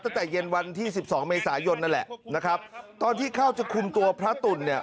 ตั้งแต่เย็นวันที่สิบสองเมษายนนั่นแหละนะครับตอนที่เข้าจะคุมตัวพระตุ่นเนี่ย